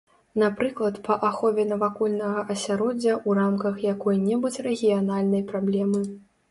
Напрыклад, па ахове навакольнага асяроддзя ў рамках якой-небудзь рэгіянальнай праблемы.